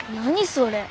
それ。